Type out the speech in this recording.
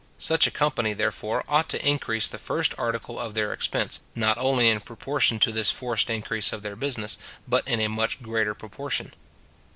Such a company, therefore, ought to increase the first article of their expense, not only in proportion to this forced increase of their business, but in a much greater proportion.